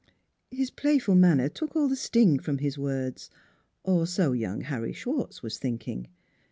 " His playful manner took all sting from his words or so young Harry Schwartz was think ing.